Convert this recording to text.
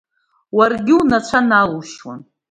Уаргьы унацәа налушьуан!